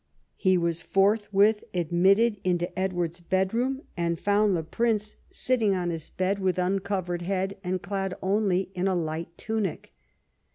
He was forthwith admitted into Edward's bedroom, and found the prince sitting on 54 EDWARD I chap. his bed, with uncovered head and clad only in a light tunic.